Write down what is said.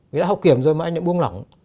người đã hậu kiểm rồi mà anh lại buông lỏng